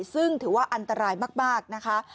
ซึ่งถือว่าอันตรายมากนะคะ